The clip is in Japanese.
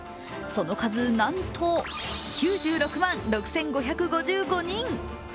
その数なんと、９６万６５５５人。